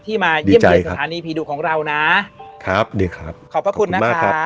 ที่มาเดี๋ยวใจครับสถานีผีดุของเรานะครับเดี๋ยวครับขอบคุณมากครับ